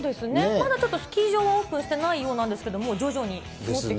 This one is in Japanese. まだちょっとスキー場はオープンしてないようなんですけども、ですね。